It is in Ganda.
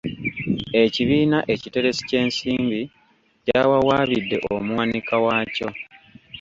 Ekibiina ekiteresi ky'ensimbi kyawawaabidde omuwanika waakyo.